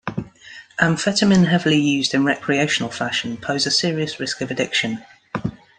Amphetamine heavily used in recreational fashion pose a serious risk of addiction.